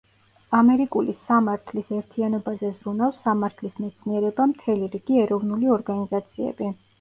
ამერიკული სამართლის ერთიანობაზე ზრუნავს სამართლის მეცნიერება, მთელი რიგი ეროვნული ორგანიზაციები.